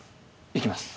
行きます。